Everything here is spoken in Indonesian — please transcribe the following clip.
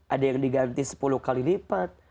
ada yang diganti sepuluh kali lipat